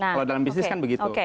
kalau dalam bisnis kan begitu